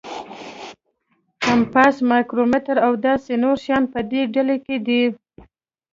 کمپاس، مایکرومیټر او داسې نور شیان په دې ډله کې دي.